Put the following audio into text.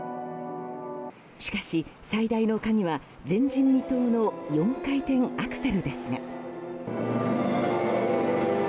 しかし、最大のカギは前人未到の４回転アクセルですが。